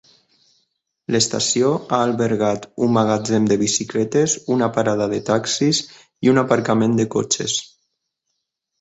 L'estació ha albergat un magatzem de bicicletes, una parada de taxis i un aparcament de cotxes.